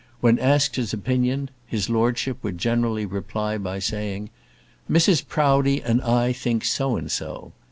When asked his opinion, his lordship would generally reply by saying "Mrs Proudie and I think so and so."